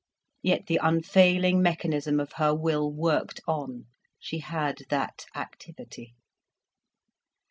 Yet the unfailing mechanism of her will worked on, she had that activity.